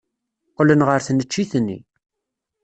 Qqlen ɣer tneččit-nni.